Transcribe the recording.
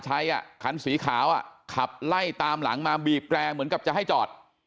คันสีขาวขับไล่ตามหลังมาบีบแร่เหมือนกับจะให้จอด